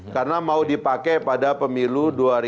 karena mau dipakai pada pemilu